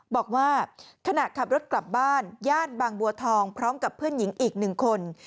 บอกว่าขณะขับรถกลับบ้านญาติบางบัวทองพร้อมกับเพื่อนหญิงอีกหนึ่งคน